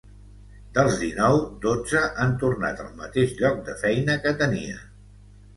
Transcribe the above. Dels dinou, dotze han tornat al mateix lloc de feina que tenien.